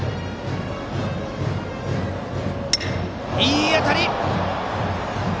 いい当たり！